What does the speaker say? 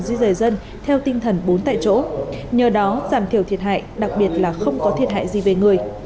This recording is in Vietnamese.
di rời dân theo tinh thần bốn tại chỗ nhờ đó giảm thiểu thiệt hại đặc biệt là không có thiệt hại gì về người